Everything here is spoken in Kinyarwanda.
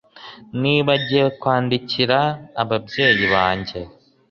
Nibagiwe kwandikira ababyeyi banjye